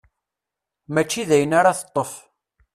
Mačči dayen ara teṭṭef.